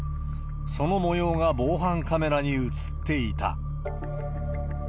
そのもようが防犯カメラに映っていた。